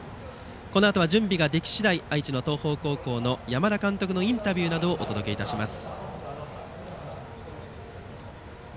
このあとは準備ができ次第愛知の東邦高校の山田監督のインタビューなどをお届けいたします。